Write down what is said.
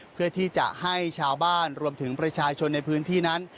เพื่อที่จะให้ชาวบ้านรวมถึงประชาชนในพื้นที่นั้น